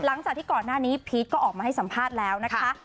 หลังจากที่ก่อนหน้านี้พีชก็ออกมาให้สัมภาษณ์แล้วนะคะ